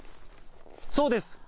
そうです。